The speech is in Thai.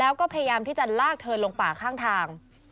แล้วก็พยายามที่จะลากเธอลงป่าข้างทาง